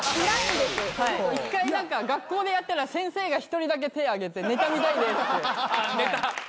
一回学校でやったら先生が１人だけ手挙げてネタ見たいですって。